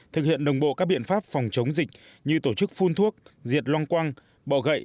thực hiện đồng bộ các biện pháp phòng chống dịch như tổ chức phun thuốc diệt loang quang bọ gậy